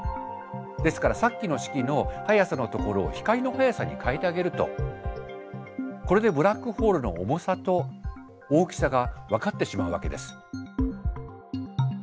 ですからさっきの式の速さのところを光の速さに替えてあげるとこれでブラックホールの重さと大きさが分かってしまうわけです。